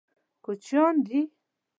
کوچیان دي.